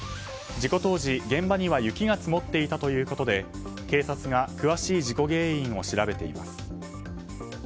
事故当時、現場には雪が積もっていたということで警察が詳しい事故原因を調べています。